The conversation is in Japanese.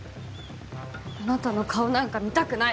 あなたの顔なんか見たくない。